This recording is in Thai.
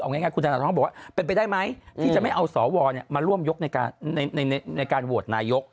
ง่ายคุณธนท้องบอกว่าเป็นไปได้ไหมที่จะไม่เอาสวมาร่วมยกในการโหวตนายก